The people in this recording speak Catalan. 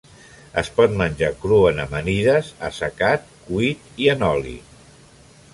Es pot menjar cru en amanides, assecat, cuit i en oli.